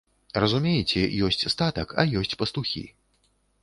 Разумееце, ёсць статак, а ёсць пастухі.